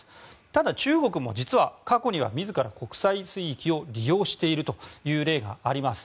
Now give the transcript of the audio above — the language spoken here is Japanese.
ただ、中国も実は過去には自ら国際水域を利用しているという例があります。